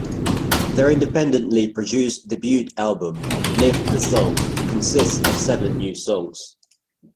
Their independently produced debut album, "Live the Song", consists of seven new songs.